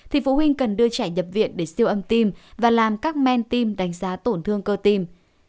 thì phụ huynh cần đưa trẻ nhập viện để siêu âm tim và làm các men tim đánh giá tổn thương cơ tim